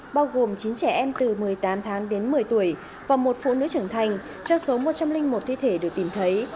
bao gồm chín trẻ em từ một mươi tám tháng đến một mươi tuổi và một phụ nữ trưởng thành trong số một trăm linh một thi thể được tìm thấy